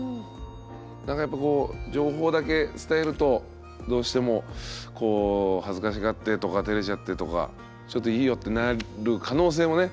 なんかやっぱこう情報だけ伝えるとどうしてもこう恥ずかしがってとか照れちゃってとかちょっといいよってなる可能性もね。